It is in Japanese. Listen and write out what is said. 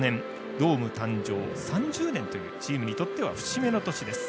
ドーム誕生３０年というチームにとっては節目の年です。